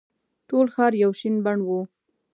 ټول ښار یو شین بڼ وو.